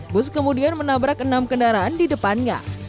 bus kemudian menabrak enam kendaraan di depannya